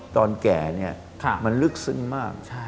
ตอนแก่มันลึกซึ้งมาก